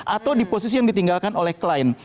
atau di posisi yang ditinggalkan oleh klien